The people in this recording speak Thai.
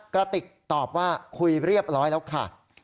กระติกตอบว่าคุยเรียบร้อยแล้วค่ะ